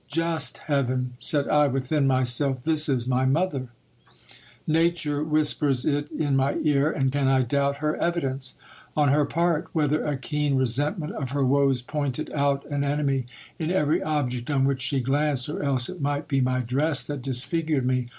Just heaven ! said i' within myself, this is my mother ! Nature whispers it in mv ear, and can I doubt her evidence ? On her part, whether a keen resent ment of her woes pointed out an enemy in every object on which she glanced, or else it might be my dress that disfigured me